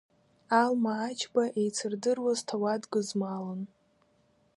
Алма Ачба еицырдыруаз ҭауад гызмалын.